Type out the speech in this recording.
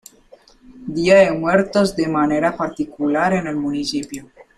Día de muertos de manera particular en el municipio.